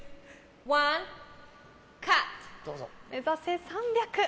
目指せ３００。